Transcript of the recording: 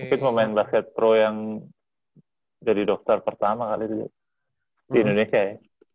mungkin mau main basket pro yang jadi dokter pertama kali di indonesia ya